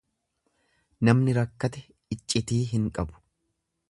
Namni rakkate iccitii hin qabu.